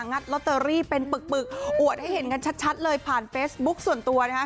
งัดลอตเตอรี่เป็นปึกอวดให้เห็นกันชัดเลยผ่านเฟซบุ๊คส่วนตัว